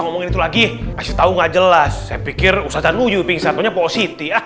ngomong itu lagi kasih tahu enggak jelas saya pikir usaha nuju pingsannya positi